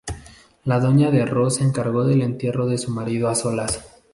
La doña de Ro se encargó del entierro de su marido a solas.